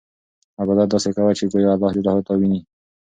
عبادت داسې کوه چې ګویا اللهﷻ تا ویني.